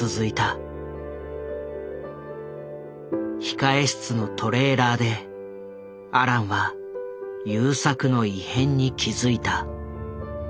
控室のトレーラーでアランは優作の異変に気付いた。